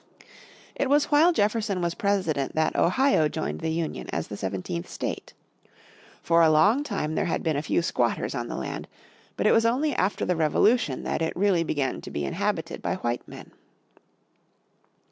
It was while Jefferson was President in 1803 that Ohio joined the Union as the seventeenth state. For a long time there had been a few squatters on the land. But it was only after the Revolution that it really began to be inhabited by white men.